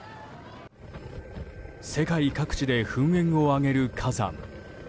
世界各地で噴煙を上げる火山。